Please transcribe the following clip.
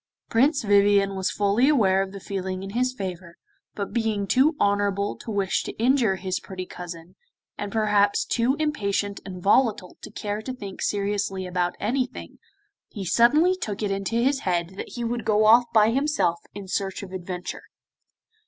Prince Vivien was fully aware of the feeling in his favour, but being too honourable to wish to injure his pretty cousin, and perhaps too impatient and volatile to care to think seriously about anything, he suddenly took it into his head that he would go off by himself in search of adventure.